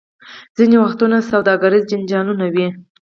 ځینې وختونه سوداګریز جنجالونه وي.